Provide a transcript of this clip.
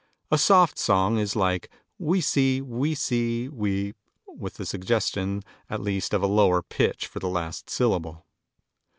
"A soft song is like wee see, wee see wee, with a suggestion at least of a lower pitch for the last syllable."